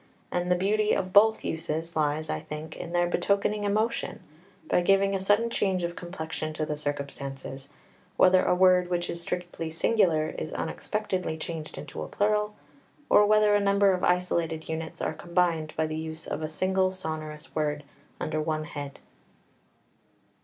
And the beauty of both uses lies, I think, in their betokening emotion, by giving a sudden change of complexion to the circumstances, whether a word which is strictly singular is unexpectedly changed into a plural, or whether a number of isolated units are combined by the use of a single sonorous word under one head.